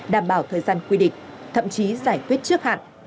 đảm bảo thời gian quy định thậm chí giải quyết trước hạn